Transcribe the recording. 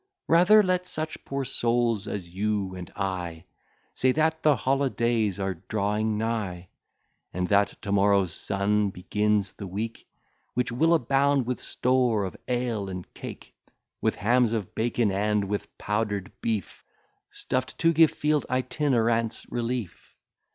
Rather let such poor souls as you and I, Say that the holidays are drawing nigh, And that to morrow's sun begins the week, Which will abound with store of ale and cake, With hams of bacon, and with powder'd beef, Stuff d to give field itinerants relief.